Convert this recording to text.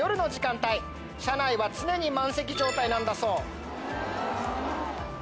車内は常に満席状態なんだそう。